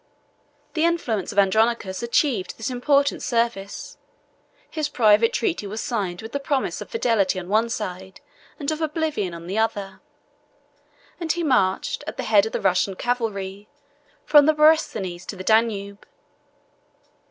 The influence of Andronicus achieved this important service: his private treaty was signed with a promise of fidelity on one side, and of oblivion on the other; and he marched, at the head of the Russian cavalry, from the Borysthenes to the Danube.